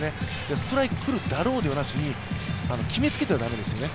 ストライクだろうではなくて決めつけてはダメですね。